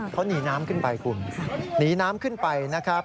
เขาหนีน้ำขึ้นไปคุณหนีน้ำขึ้นไปนะครับ